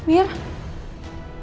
aku mau makan siapapun